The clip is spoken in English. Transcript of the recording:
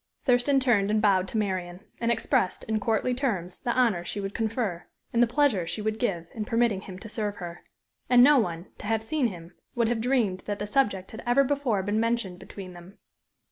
Thurston turned and bowed to Marian, and expressed, in courtly terms, the honor she would confer, and the pleasure she would give, in permitting him to serve her. And no one, to have seen him, would have dreamed that the subject had ever before been mentioned between them.